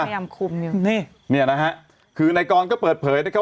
พยายามคุมอยู่นี่เนี่ยนะฮะคือนายกรก็เปิดเผยนะครับ